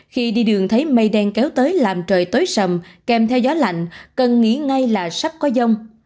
khi đi đường thấy mây đen kéo tới làm trời tối sầm kèm theo gió lạnh cần nghĩ ngay là sắp có dông